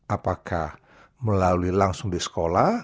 apakah melalui langsung di sekolah